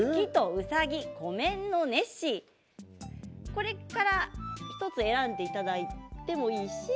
これから１つ選んでいただいてもいいし。